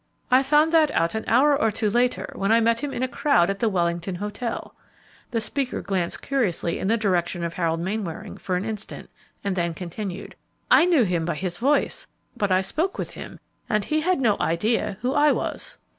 "I found that out an hour or two later, when I met him in a crowd at the Wellington Hotel;" the speaker glanced curiously in the direction of Harold Mainwaring for an instant, and then continued, "I knew him by his voice, but I spoke with him, and he had no idea who I was."